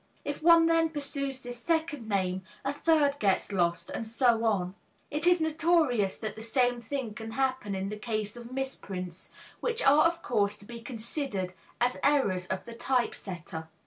If one then pursues this second name, a third gets lost, and so on. It is notorious that the same thing can happen in the case of misprints, which are of course to be considered as errors of the typesetter.